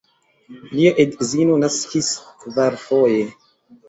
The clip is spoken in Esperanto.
Lia edzino naskis kvarfoje.